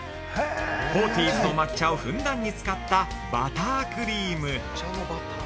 フォーティーズの抹茶をふんだんに使ったバタークリーム。